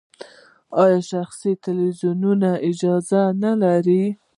آیا شخصي تلویزیونونه اجازه نلري؟